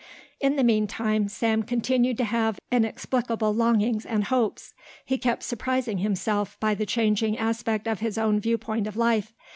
In the meantime Sam continued to have inexplicable longings and hopes. He kept surprising himself by the changing aspect of his own viewpoint of life.